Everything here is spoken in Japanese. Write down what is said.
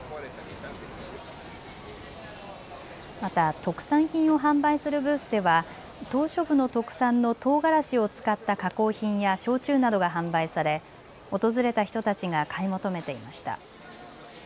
また特産品を販売するブースでは島しょ部の特産のとうがらしを使った加工品や焼酎などが販売され、訪れた人たちが買い求めていました。